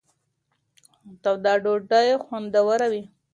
توده ډوډۍ خوندوره وي.